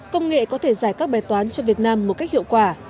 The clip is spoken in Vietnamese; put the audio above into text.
công nghệ có thể giải các bài toán cho việt nam một cách hiệu quả